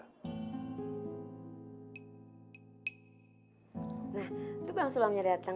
nah tuh bang sulamnya dateng